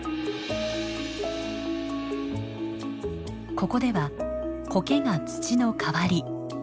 ここではコケが土の代わり。